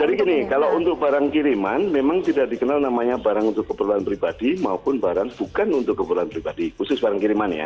jadi gini kalau untuk barang kiriman memang tidak dikenal namanya barang untuk keperluan pribadi maupun barang bukan untuk keperluan pribadi khusus barang kiriman ya